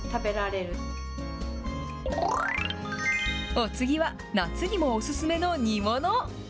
お次は、夏にもお勧めの煮物。